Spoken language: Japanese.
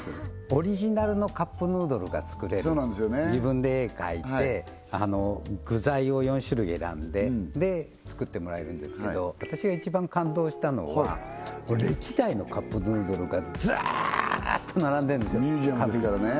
オリジナルのカップヌードルが作れる自分で絵描いて具材を４種類選んでで作ってもらえるんですけど私が一番感動したのは歴代のカップヌードルがずらーっと並んでるんですよミュージアムですからね